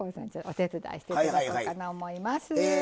お手伝いして頂こうかな思います。